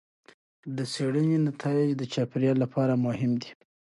د څېړنې نتایج د چاپیریال لپاره مهم دي.